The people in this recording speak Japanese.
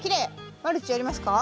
マルチやりますか？